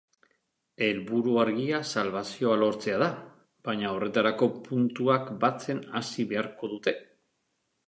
Helburu argia salbazioa lortzea da, baina horretarako puntuak batzen hasi beharko dute.